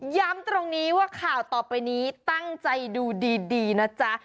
ย้ำตรงนี้ว่าข่าวต่อไปนี้ตั้งใจดูดีนะจ๊ะ